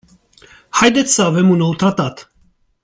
Haideți să avem un nou tratat.